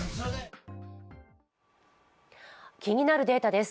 気になるデータです。